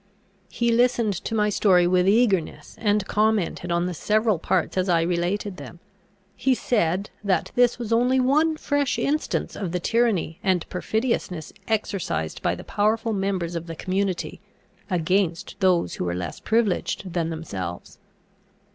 He listened to my story with eagerness, and commented on the several parts as I related them. He said, that this was only one fresh instance of the tyranny and perfidiousness exercised by the powerful members of the community, against those who were less privileged than themselves.